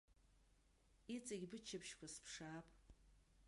Иҵегь быччаԥшьқәа сыԥшаап.